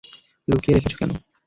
লুকিয়ে রেখেছ কেন?